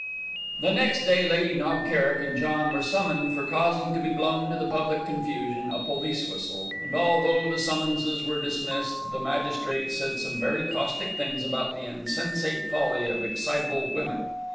The next day Lady Knob Kerrick and John were summoned for causing to be blown to the public confusion a police whistle, and although the summonses were dismissed the magistrate said some very caustic things about the insensate folly of excitable women.